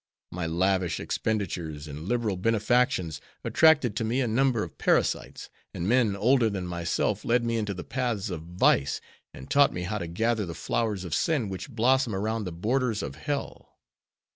My lavish expenditures and liberal benefactions attracted to me a number of parasites, and men older than myself led me into the paths of vice, and taught me how to gather the flowers of sin which blossom around the borders of hell.